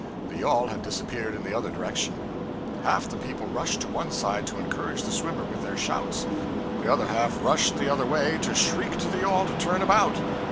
The yawl had disappeared in the other direction. Half the people rushed to one side to encourage the swimmer with their shouts; the other half rushed the other way to shriek to the yawl to turn about.